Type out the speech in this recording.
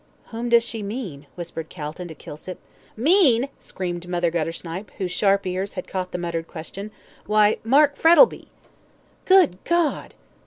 "Whom does she mean?" whispered Calton to Kilsip. "Mean!" screamed Mother Guttersnipe, whose sharp ears had caught the muttered question. "Why, Mark Frettlby!" "Good God!"